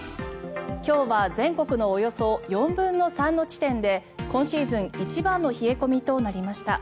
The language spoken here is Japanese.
今日は全国のおよそ４分の３の地点で今シーズン一番の冷え込みとなりました。